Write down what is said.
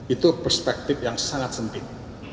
itu perspektif yang sangat sempit